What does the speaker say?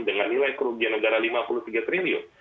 dengan nilai kerugian negara lima puluh tiga triliun